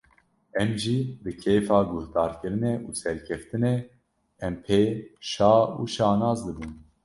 Em jî bi kêfa guhdarkirinê û serkeftinê em pê şa û şanaz dibûn